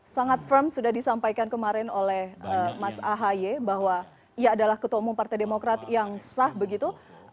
sangat firm sudah disampaikan kemarin oleh mas ahaye bahwa ia adalah ketua umum partai demokrat yang sah begitu